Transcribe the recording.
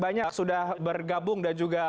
banyak sudah bergabung dan juga